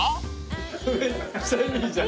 めっちゃいいじゃん。